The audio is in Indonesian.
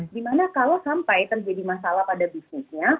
di mana kalau sampai terjadi masalah pada bisnisnya